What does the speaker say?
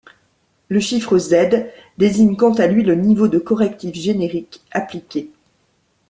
Le chiffre Z désigne quant à lui le niveau de correctif générique appliqué.